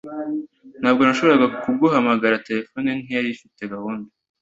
Ntabwo nashoboraga kuguhamagara terefone ntiyari ifite gahunda